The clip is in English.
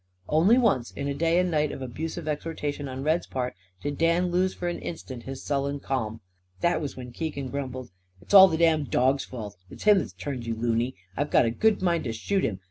Only once, in a day and night of abusive exhortation on Red's part, did Dan lose for an instant his sullen calm. That was when Keegan grumbled: "It's all the damn' dog's fault. It's him that's turned you loony. I've got a good mind to shoot him.